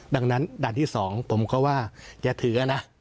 ดังนั้นด่านที่๒ผมก็ว่าอย่าถือนะ